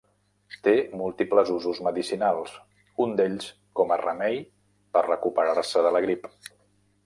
Té múltiples usos medicinals, un d'ells com a remei per recuperar-se de la grip.